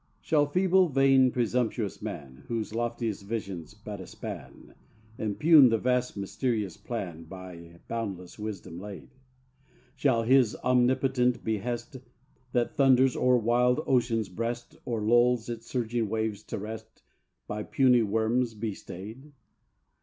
Shall feeble, vain, presumptuous man Whose loftiest vision's but a span, Impugn the vast mysterious plan By boundless wisdom laid? Shall His omnipotent behest, That thunders o'er wild ocean's breast, Or lulls its surging waves to rest, By puny worms be stayed?